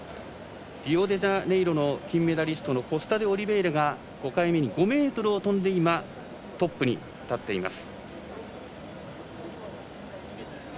リオデジャネイロの金メダリストのコスタデオリベイラが５回目に５ｍを跳んで今、トップに立っています。